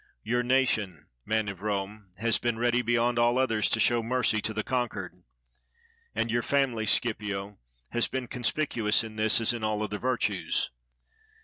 Your nation, man of Rome, has been ready beyond all others to show mercy to the con quered, and your family, Scipio, has been conspicuous in this as in all other virtues.